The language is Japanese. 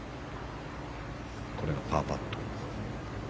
これがパーパット。